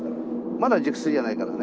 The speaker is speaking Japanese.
まだ熟睡じゃないからね。